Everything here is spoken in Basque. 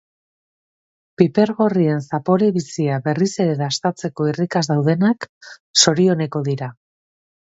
Piper gorrien zapore bizia berriz ere dastatzeko irrikaz daudenak zorioneko dira.